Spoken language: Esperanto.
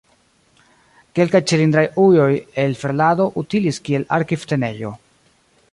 Kelkaj cilindraj ujoj el ferlado utilis kiel arkivtenejo.